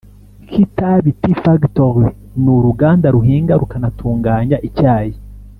Kitabi Tea Factory ni uruganda ruhinga rukanatunganya icyayi